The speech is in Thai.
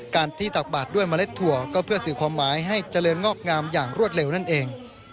การที่ตักบาดด้วยเมล็ดถั่วก็เพื่อสื่อความหมายให้เจริญงอกงามอย่างรวดเร็วนั่นเอง